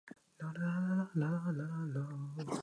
I don't want to be a bad parent.